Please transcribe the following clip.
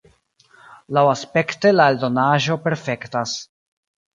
Laŭaspekte la eldonaĵo perfektas.